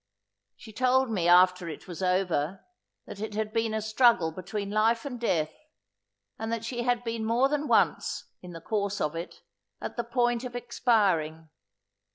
She told me, after it was over, that it had been a struggle between life and death, and that she had been more than once, in the course of it, at the point of expiring.